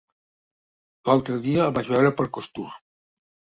L'altre dia el vaig veure per Costur.